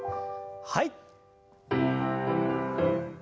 はい。